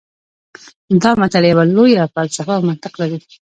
دا متل لویه فلسفه او منطق لري